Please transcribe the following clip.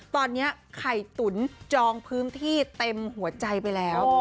ตอนนี้ไข่ตุ๋นจองพื้นที่เต็มหัวใจไปแล้ว